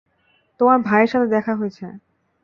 তোমার ভাইয়ের সাথে দেখা হয়েছে।